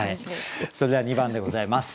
それでは２番でございます。